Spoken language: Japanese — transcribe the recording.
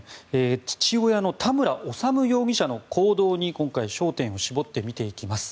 父親の田村修容疑者の行動に今回焦点を絞って見ていきます。